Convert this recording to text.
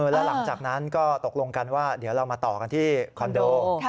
แล้วหลังจากนั้นก็ตกลงกันว่าเดี๋ยวเรามาต่อกันที่คอนโด